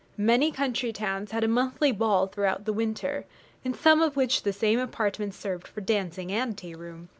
Many country towns had a monthly ball throughout the winter, in some of which the same apartment served for dancing and tea room.